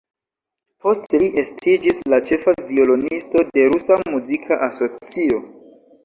Poste li estiĝis la ĉefa violonisto de Rusa Muzika Asocio.